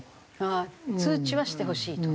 ああ通知はしてほしいと。